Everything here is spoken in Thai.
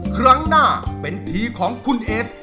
ครั้งหน้าเป็นทีของคุณเอส